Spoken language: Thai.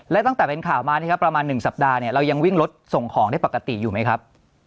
และตั้งแต่เป็นข่าวมานะครับประมาณ๑สัปดาห์เนี่ยเรายังวิ่งรถส่งของได้ปกติอยู่ไหมครับ